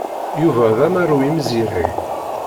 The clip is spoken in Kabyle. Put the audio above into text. Yuba d amaru imzireg.